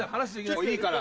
もういいから。